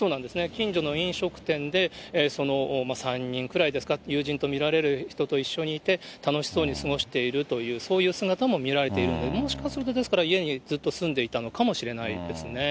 近所の飲食店で、３人くらいですか、友人と見られる人と一緒にいて、楽しそうに過ごしているという、そういう姿も見られているので、もしかすると、家にずっと住んでいたのかもしれないですね。